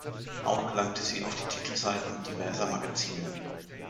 Auch gelangte sie auf die Titelseiten diverser Magazine.